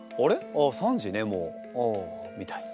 あ３時ねもうあ」みたいな。